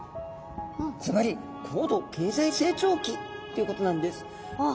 ずばり高度経済成長期ということなんです。